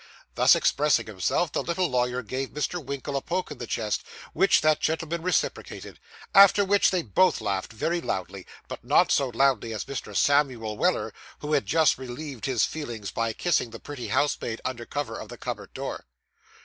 Thus expressing himself, the little lawyer gave Mr. Winkle a poke in the chest, which that gentleman reciprocated; after which they both laughed very loudly, but not so loudly as Mr. Samuel Weller, who had just relieved his feelings by kissing the pretty housemaid under cover of the cupboard door.